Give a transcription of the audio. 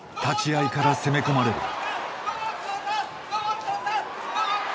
立ち合いから攻め込まれる。